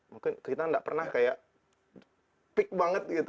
mungkin kita nggak pernah kayak peak banget gitu